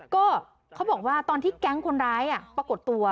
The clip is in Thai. ก็เขาบอกว่าตอนที่แก๊งคนร้ายปรากฏตัว